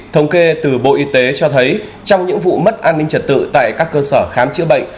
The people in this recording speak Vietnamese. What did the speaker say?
thống kê từ bộ y tế cho thấy trong những vụ mất an ninh trật tự tại các cơ sở khám chữa bệnh